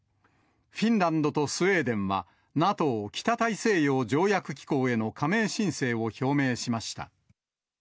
フィンランドとスウェーデンは、ＮＡＴＯ・北大西洋条約機構への加盟申請を表明しました。